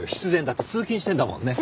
だって通勤してんだもんね。